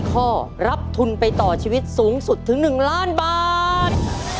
ข้อรับทุนไปต่อชีวิตสูงสุดถึง๑ล้านบาท